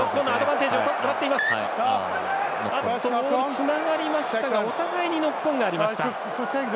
つながりましたがお互いにノックオンがありました。